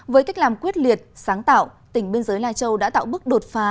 với cách làm quyết liệt sáng tạo tỉnh biên giới lai châu đã tạo bước đột phá